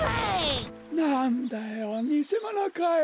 なんだよにせものかよ。